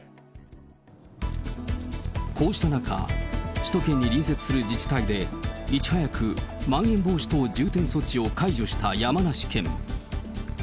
こうした中、首都圏に隣接する自治体で、いち早くまん延防止等重点措置を解除した山梨県。